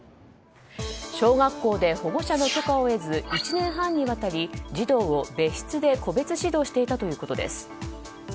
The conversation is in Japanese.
小学校で保護者の許可を得ず１年半にわたり児童を別室で個別指導していたということです。